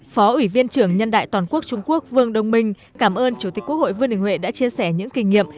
phó ủy viên trưởng nhân đại toàn quốc trung quốc vương đồng minh cảm ơn chủ tịch quốc hội vương đình huệ đã chia sẻ những kinh nghiệm